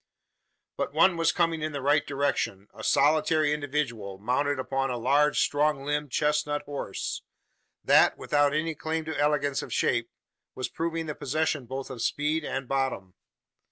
But one was going in the right direction a solitary individual, mounted upon a large strong limbed chestnut horse; that, without any claim to elegance of shape, was proving the possession both of speed and bottom.